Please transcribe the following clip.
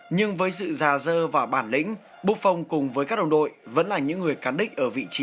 nhưng với sự giả dơ và bản lĩnh buffon cùng với các đồng đội vẫn là những người cắn đích ở vị trí